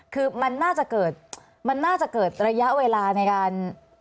คือมันน่าจะเกิดมันน่าจะเกิดระยะเวลาในการ